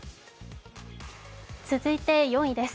続いて４位です。